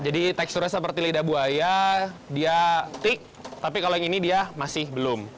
jadi teksturnya seperti lidah buaya dia tik tapi kalau yang ini dia masih belum